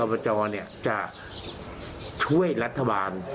ถ้าท้องทินจะช่วยรัฐบาล